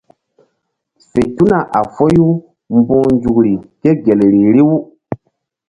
Fe tuna a foyu mbu̧h nzukri ke gel ri riw.